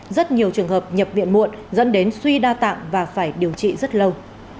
rất nhiều trường hợp nhập viện muộn dẫn đến suy đa tạng và phải điều trị rất lâu